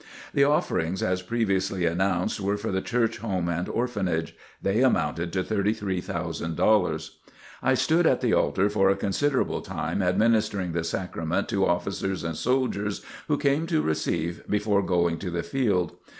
The offerings as previously announced, were for the Church Home and Orphanage. They amounted to $33,000. I stood at the altar for a considerable time administering the sacrament to officers and soldiers who came to receive before going to the field.